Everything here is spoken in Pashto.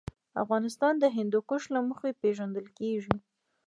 افغانستان د هندوکش له مخې پېژندل کېږي.